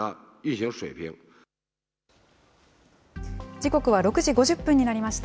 時刻は６時５０分になりました。